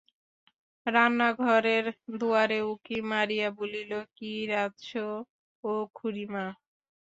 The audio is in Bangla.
রান্নাঘরের দুয়ারে উঁকি মারিয়া বলিল, কি রাধচো ও খুড়িমা?